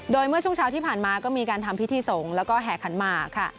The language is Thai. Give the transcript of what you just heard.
โดยเมื่อช่วงเช้าที่ผ่านมาก็มีการทำพิธีสงฆ์แล้วก็แห่ขันหมากค่ะ